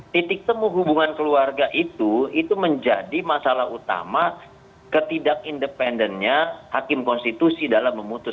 titik temu hubungan keluarga itu itu menjadi masalah utama ketidak independennya hakim konstitusi dalam memutus